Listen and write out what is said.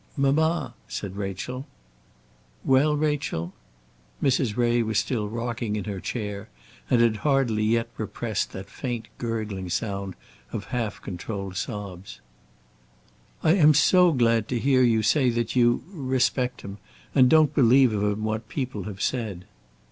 "Mamma," said Rachel. "Well, Rachel." Mrs. Ray was still rocking her chair, and had hardly yet repressed that faint gurgling sound of half controlled sobs. "I am so glad to hear you say that you respect him, and don't believe of him what people have said."